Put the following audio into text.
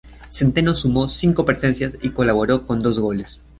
Centeno sumó cinco presencias y colaboró con dos goles.